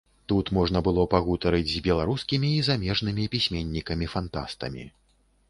Тут можна было пагутарыць з беларускімі і замежнымі пісьменнікамі-фантастамі.